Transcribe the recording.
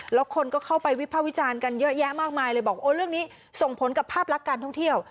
แล้วคนก็เข้าไปวิภาควิจารณ์กันเยอะแยะมากมายเลยบอกโอ้เรื่องนี้ส่งผลกับภาพลักษณ์การท่องเที่ยว